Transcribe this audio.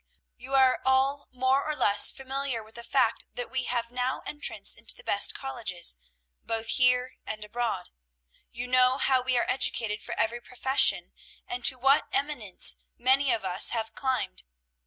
You are all more or less familiar with the fact that we have now entrance into the best colleges, both here and abroad. You know how we are educated for every profession, and to what eminence many of us have climbed.